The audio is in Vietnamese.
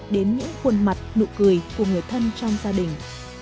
đến những khuôn mặt nụ cười của người thân trong gia đình